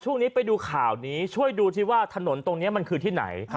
ช่วงนี้ไปดูข่าวนี้ช่วยดูที่ว่าถนนตรงนี้มันคือที่ไหน